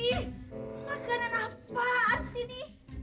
ih makanan apaan sih ini